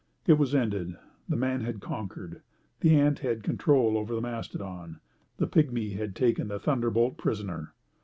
It was ended. The man had conquered. The ant had control over the mastodon; the pigmy had taken the thunderbolt prisoner.